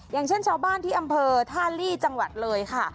อย่างเช่นชาวบ้านที่อำเภอท่าลีจังหวัดเลยค่ะ